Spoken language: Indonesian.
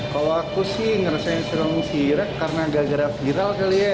kalau aku sih ngerasain siong sira karena agak agak viral kali ya